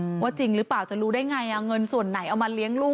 ว่าจริงหรือเปล่าจะรู้ได้ไงอ่ะเงินส่วนไหนเอามาเลี้ยงลูก